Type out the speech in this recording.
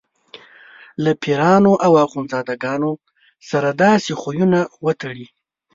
له پیرانو او اخندزاده ګانو سره داسې خویونه وتړي.